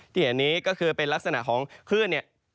เห็นนี้ก็คือเป็นลักษณะของคลื่นเนี่ย